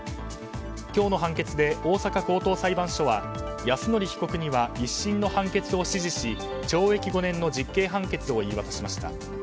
今日の判決で大阪高等裁判所は泰典被告には１審の判決を支持し懲役５年の実刑判決を言い渡しました。